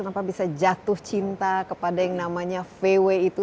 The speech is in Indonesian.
kenapa bisa jatuh cinta kepada yang namanya vw itu